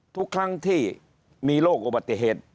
ทุกครั้งที่มีโรคอุบัติเหตุ